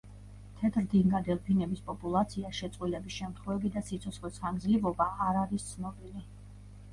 თეთრდინგა დელფინების პოპულაცია, შეწყვილების შემთხვევები და სიცოცხლის ხანგრძლივობა არ არის ცნობილი.